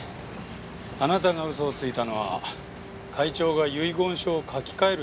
あなたが嘘をついたのは会長が遺言書を書き換えると言い出したからでは？